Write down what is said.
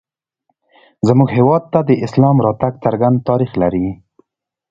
زموږ هېواد ته د اسلام راتګ څرګند تاریخ لري